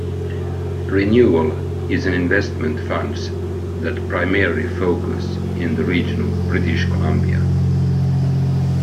Renewal is an investment funds that primarily focus in the region of British Columbia.